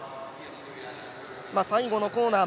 最後のコーナー